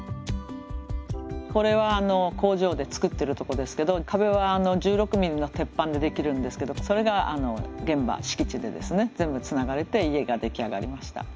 これは工場で作ってるとこですけど壁は１６ミリの鉄板でできるんですけどそれが現場敷地でですね全部つながれて家が出来上がりました。